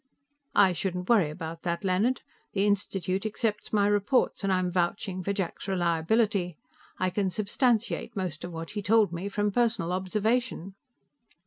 "I shouldn't worry about that, Leonard. The Institute accepts my reports, and I'm vouching for Jack's reliability. I can substantiate most of what he told me from personal observation."